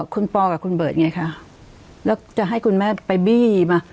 คุณปอกับคุณเบิร์ตไงคะแล้วจะให้คุณแม่ไปบี้มา